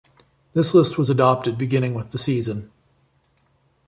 This list was adopted beginning with the season.